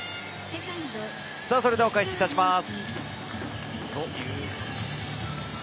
それではお返しいたします。